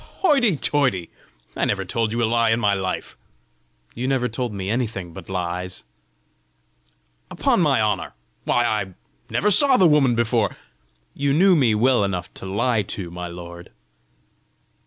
"Hoity toity! I never told you a lie in my life!" "You never told me anything but lies." "Upon my honour! Why, I never saw the woman before!" "You knew me well enough to lie to, my lord!"